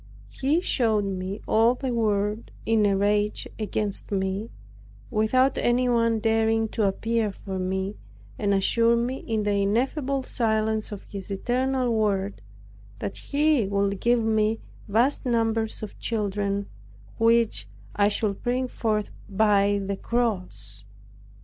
He showed me all the world in a rage against me, without anyone daring to appear for me and assured me in the ineffable silence of His eternal Word, that He would give me vast numbers of children, which I should bring forth by the cross.